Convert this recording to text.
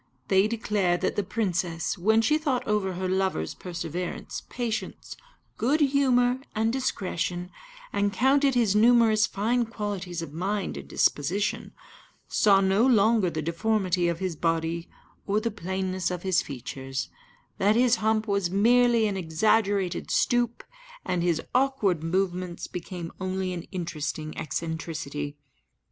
They declare that the princess, when she thought over her lover's perseverance, patience, good humour, and discretion, and counted his numerous fine qualities of mind and disposition, saw no longer the deformity of his body or the plainness of his features; that his hump was merely an exaggerated stoop, and his awkward movements became only an interesting eccentricity.